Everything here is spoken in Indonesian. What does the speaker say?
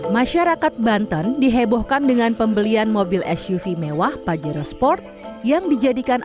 masyarakat banten dihebohkan dengan pembelian mobil suv mewah pajero sport yang dijadikan